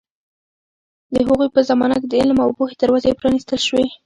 د هغوی په زمانه کې د علم او پوهې دروازې پرانیستل شوې.